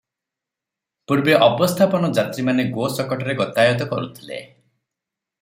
ପୂର୍ବେ ଅବସ୍ଥାପନ୍ନ ଯାତ୍ରୀମାନେ ଗୋ-ଶକଟରେ ଗତାୟତ କରୁଥିଲେ ।